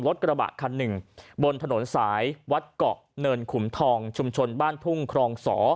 รถกระบะคันหนึ่งบนถนนสายวัดเกาะเนินขุมทองชุมชนบ้านทุ่งครอง๒